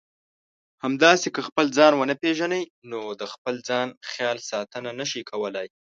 همداسې که خپل ځان ونه پېژنئ نو د خپل ځان خیال ساتنه نشئ کولای.